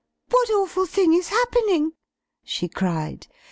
'What awful thing is happening?" she cried.